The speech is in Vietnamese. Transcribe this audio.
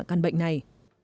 căn bệnh này